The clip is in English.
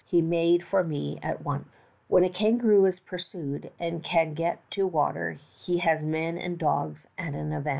He made for me at once. "When a kangaroo is pursued and can get to water, he has men and dogs at an advantage.